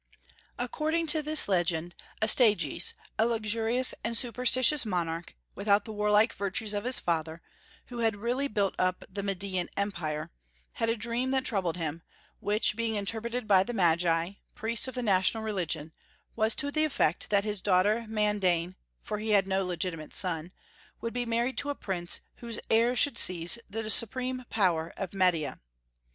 According to this legend, Astyages a luxurious and superstitious monarch, without the warlike virtues of his father, who had really built up the Median empire had a dream that troubled him, which being interpreted by the Magi, priests of the national religion, was to the effect that his daughter Mandanê (for he had no legitimate son) would be married to a prince whose heir should seize the supreme power of Media.